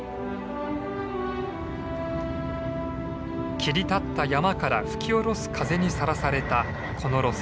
切り立った山から吹き下ろす風にさらされたこの路線。